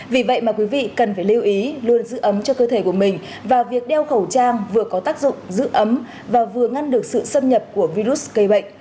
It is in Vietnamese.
vì vậy mà quý vị cần phải lưu ý luôn giữ ấm cho cơ thể của mình và việc đeo khẩu trang vừa có tác dụng giữ ấm và vừa ngăn được sự xâm nhập của virus gây bệnh